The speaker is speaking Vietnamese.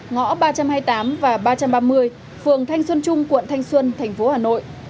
ngõ ba trăm hai mươi tám và ba trăm ba mươi phường thanh xuân trung quận thanh xuân thành phố hà nội